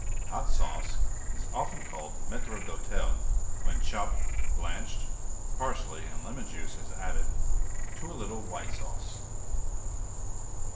Hot sauce is often called Maitre d'hotel when chopped blanched parsley and lemon juice is added to a little white sauce.